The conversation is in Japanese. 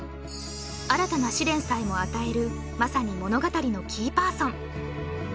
新たな試練さえも与えるまさに物語のキーパーソン